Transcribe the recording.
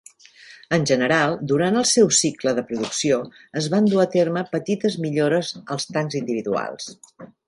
En general, durant el seu cicle de producció es van dur a terme petites millores als tancs individuals.